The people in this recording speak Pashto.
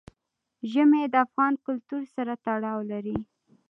ژمی د افغان کلتور سره تړاو لري.